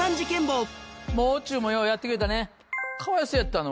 もう中もようやってくれたね。